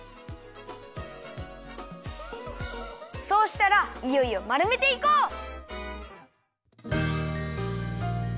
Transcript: そうしたらいよいよまるめていこう！